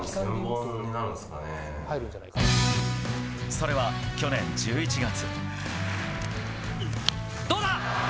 それは去年１１月。